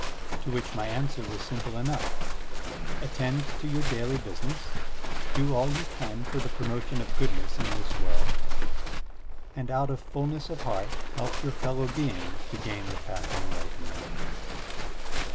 To which my answer was simple enough: "Attend to your daily business, do all you can for the pro motion of goodness in this world, and out of fulness of heart help your fellow beings to gain the path of enlightenment.